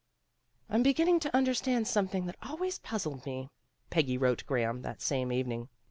"I'm beginning to understand something that always puzzled me, '' Peggy wrote Graham, that same evening.